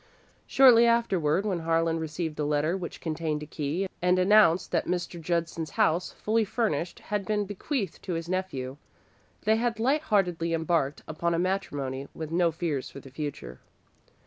Shortly afterward, when Harlan received a letter which contained a key, and announced that Mr. Judson's house, fully furnished, had been bequeathed to his nephew, they had light heartedly embarked upon matrimony with no fears for the future.